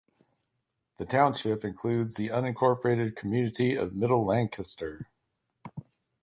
The township includes the unincorporated community of Middle Lancaster.